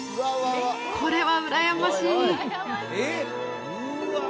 これはうらやましい！